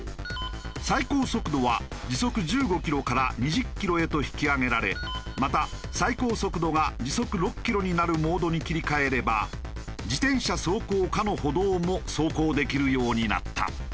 最高速度は時速１５キロから２０キロへと引き上げられまた最高速度が時速６キロになるモードに切り替えれば自転車走行可の歩道も走行できるようになった。